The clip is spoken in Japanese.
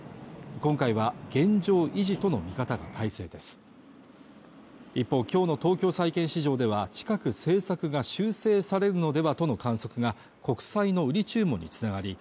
今回は現状維持との見方が大勢です一方きょうの東京債券市場では近く政策が修正されるのではとの観測が国債の売り注文につながり